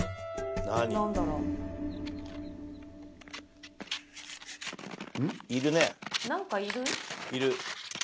何かいる。